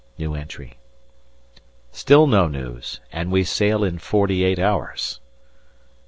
Still no news, and we sail in forty eight hours.